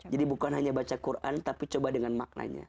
jadi bukan hanya baca quran tapi coba dengan maknanya